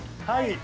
はい。